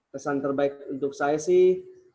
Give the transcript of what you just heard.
kesan terbaik untuk saya sih